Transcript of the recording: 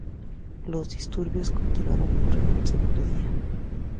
Los disturbios continuaron por un segundo día.